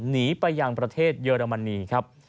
หนีไปยังประเทศเยอรมนีครับ